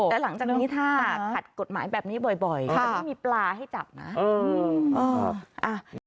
แต่หลังจากนี้ถ้าคัดกฎหมายแบบนี้บ่อยบ่อยค่ะไม่มีปลาให้จับนะเออครับอ่า